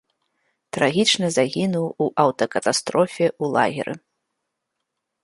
Трагічна загінуў у аўтакатастрофе ў лагеры.